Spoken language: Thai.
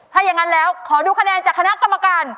ถ้าอย่างนั้นแล้วขอดูคะแนนจากคณะกรรมการ